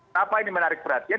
kenapa ini menarik perhatian